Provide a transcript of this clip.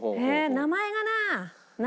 名前がなあ。